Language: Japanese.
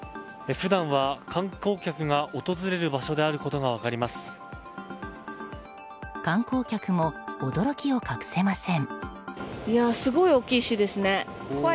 普段は観光客が訪れる観光客も驚きを隠せません。